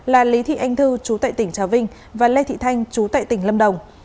là lý thị anh thư chú tại tỉnh trà vinh và lê thị thanh chú tại tỉnh lâm đồng